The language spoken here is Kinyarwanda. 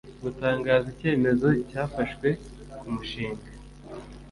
Gutangaza icyemezo cyafashwe ku mushinga